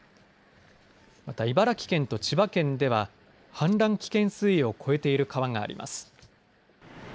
また茨城県と千葉県では氾濫危険水位を超えている川があります。